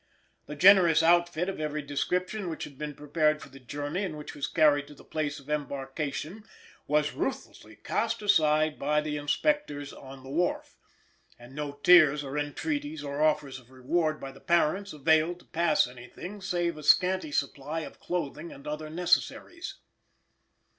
The generous outfit of every description which was prepared for the journey, and which was carried to the place of embarkation, was ruthlessly cast aside by the inspectors on the wharf, and no tears or entreaties or offers of reward by the parents availed to pass anything save a scanty supply of clothing and other necessaries.